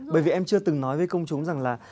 bởi vì em chưa từng nói với công chúng rằng là